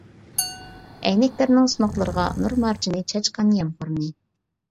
ئەينەكلەرنىڭ سۇنۇقلىرىغا نۇر مارجىنى چاچقان يامغۇرنى.